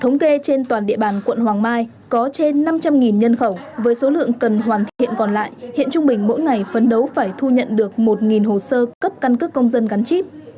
thống kê trên toàn địa bàn quận hoàng mai có trên năm trăm linh nhân khẩu với số lượng cần hoàn thiện còn lại hiện trung bình mỗi ngày phấn đấu phải thu nhận được một hồ sơ cấp căn cước công dân gắn chip